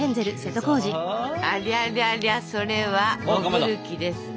ありゃりゃりゃそれは潜る気ですね。